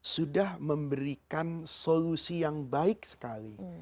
sudah memberikan solusi yang baik sekali